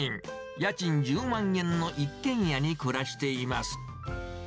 家賃１０万円の一軒家に暮らしています。